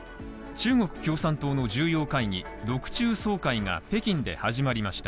中国共産党の重要会議、６中総会が北京で始まりました。